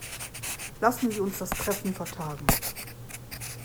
Lassen Sie uns das Treffen vertagen.